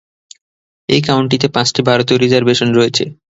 এই কাউন্টিতে পাঁচটি ভারতীয় রিজার্ভেশন রয়েছে।